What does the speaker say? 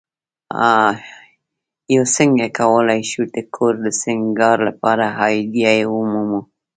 uڅنګه کولی شم د کور د سینګار لپاره آئیډیا ومومم